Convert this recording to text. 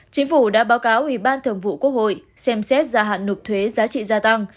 chính phủ đã báo cáo ủy ban thường vụ quốc hội xem xét gia hạn nộp thuế giá trị gia tăng